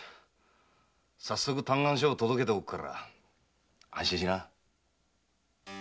早速嘆願書を届けておくから安心しな。